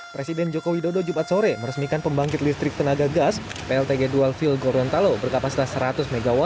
presiden joko widodo jumat sore meresmikan pembangkit listrik tenaga gas pltg dual feel gorontalo berkapasitas seratus mw